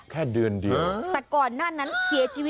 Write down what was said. แค่เดือนเดียว